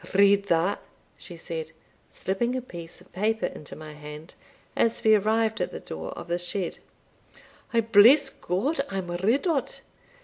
"Read that," she said, slipping a piece of paper into my hand, as we arrived at the door of the shed; "I bless God I am rid o't.